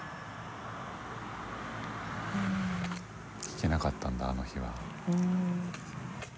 聞けなかったんだあの日は。